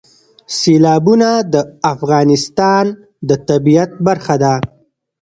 سیلابونه د افغانستان د طبیعت برخه ده.